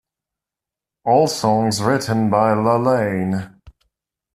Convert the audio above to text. All songs written by Lalaine.